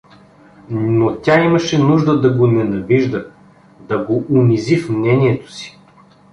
Но тя имаше нужда да го ненавижда, да го унизи в мнението си.